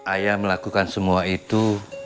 ayah melakukan semua itu